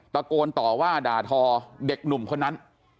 ตะโกนต่อว่าด่าทอเด็กหนุ่มคนนั้น